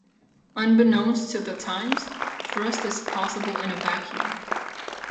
Unbeknownst to the "Times", thrust is possible in a vacuum.